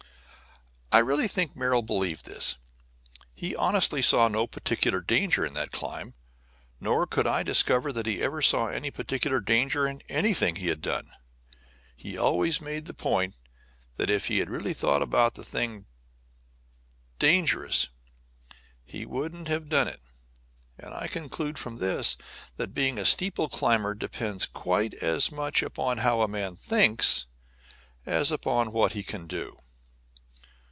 I really think Merrill believed this. He honestly saw no particular danger in that climb, nor could I discover that he ever saw any particular danger in anything he had done. He always made the point that if he had really thought the thing dangerous he wouldn't have done it. And I conclude from this that being a steeple climber depends quite as much upon how a man thinks as upon what he can do.